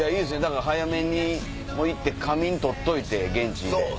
早めに行って仮眠取っといて現地で。